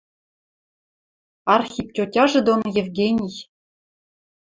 Архип тьотяжы дон Евгений.